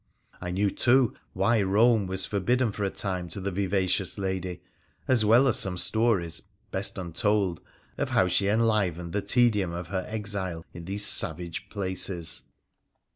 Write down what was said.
1 knew, too, why Kome was forbidden for a time to the vivacious lady, as well as some stories, best untold, of how she enlivened the tedium of her exile in these ' savage ' places.